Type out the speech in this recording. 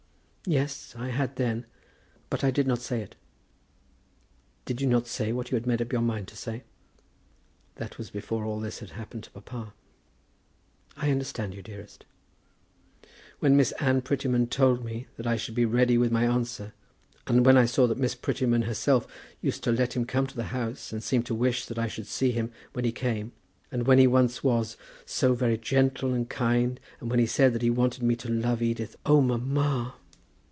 "Yes, I had then. But I did not say it." "Did not say what you had made up your mind to say?" "That was before all this had happened to papa." "I understand you, dearest." "When Miss Anne Prettyman told me that I should be ready with my answer, and when I saw that Miss Prettyman herself used to let him come to the house and seemed to wish that I should see him when he came, and when he once was so very gentle and kind, and when he said that he wanted me to love Edith, Oh, mamma!"